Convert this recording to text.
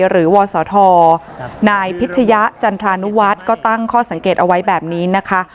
วศธนายพิชยะจันทรานุวัฒน์ก็ตั้งข้อสังเกตเอาไว้แบบนี้นะคะ